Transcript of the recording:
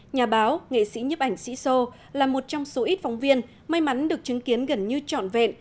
nhà báo nghệ sĩ nhấp ảnh sĩ sô là một trong số ít phóng viên may mắn được chứng kiến gần như trọn vẹn